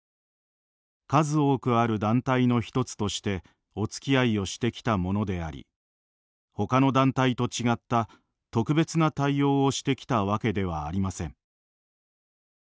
「数多くある団体の１つとしておつきあいをしてきたものであり他の団体と違った特別な対応をしてきたわけではありません」。